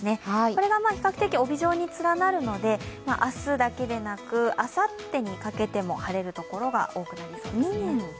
これが比較的、帯状に連なるので明日だけでなくあさってにかけても晴れる所が多くなりそうですね。